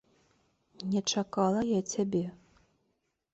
Не чакала я цябе?